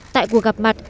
tại cuộc gặp mặt